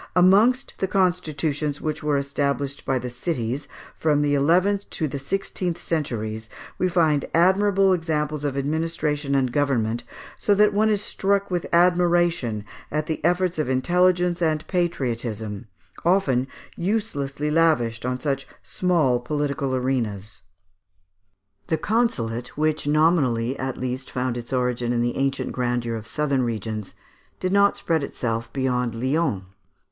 Amongst the constitutions which were established by the cities, from the eleventh to the sixteenth centuries, we find admirable examples of administration and government, so that one is struck with admiration at the efforts of intelligence and patriotism, often uselessly lavished on such small political arenas. The consulate, which nominally at least found its origin in the ancient grandeur of southern regions, did not spread itself beyond Lyons.